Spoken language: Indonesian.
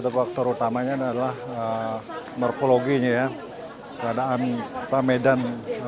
pertamanya adalah morfologinya keadaan medan